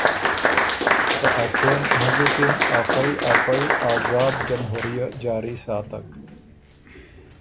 که اڅېن هنزُکِن افئ ا خوئ آزاد جمهوریه جاري ساتک